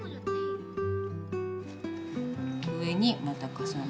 上にまた重ねる。